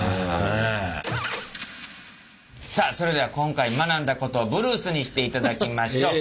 さあそれでは今回学んだことをブルースにしていただきましょう！